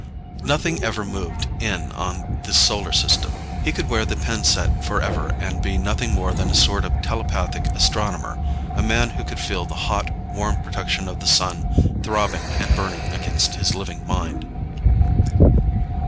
Nothing ever moved in on the Solar System. He could wear the pin set forever and be nothing more than a sort of telepathic astronomer, a man who could feel the hot, warm protection of the Sun throbbing and burning against his living mind.